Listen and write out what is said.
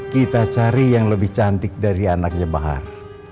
kita cari yang lebih cantik dari anaknya bahar